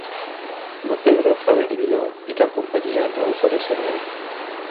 La pedra fa d'inhibidor i cap companyia no ofereix servei.